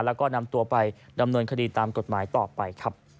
แล้วก็นำตัวไปดำเนินคดีตามกฎหมายต่อไปครับ